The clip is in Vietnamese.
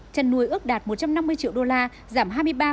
trần nuôi ước đạt một trăm năm mươi triệu usd giảm hai mươi ba tám